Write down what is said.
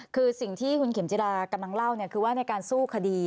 คือสิ่งที่คุณเข็มจิรากำลังเล่าคือว่าในการสู้คดี